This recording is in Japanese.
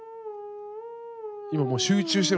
今もう集中してる。